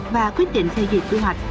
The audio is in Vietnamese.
và quyết định phê duyệt quy hoạch